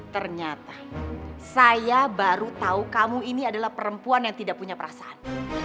ternyata saya baru tahu kamu ini adalah perempuan yang tidak punya perasaan